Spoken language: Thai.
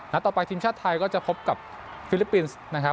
ต่อไปทีมชาติไทยก็จะพบกับฟิลิปปินส์นะครับ